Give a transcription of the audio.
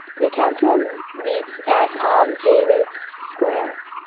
The council meets at Tom Davies Square.